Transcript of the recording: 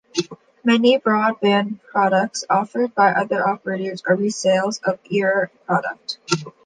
Many broadband products offered by other operators are resales of the Eir product.